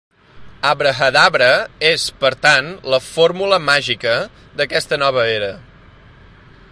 Abrahadabra és, per tant, la "fórmula màgica" d'aquesta nova era.